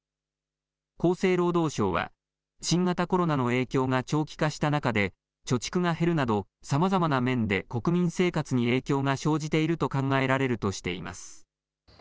厚生労働省は新型コロナの影響が長期化した中で貯蓄が減るなどさまざまな面で国民生活に影響が生じていると考えられるとしています。